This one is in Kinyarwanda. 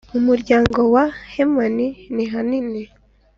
Mu muryango wa Hemani nihanini